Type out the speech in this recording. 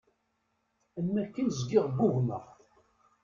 Am akken zgiɣ ggugmeɣ.